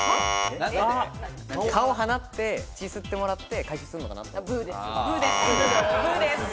蚊を放って血すってもらって回収するのかなって。